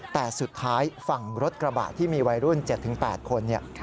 แต่สุดท้ายฝั่งรถกระบะที่มีวัยรุ่น๗๘คน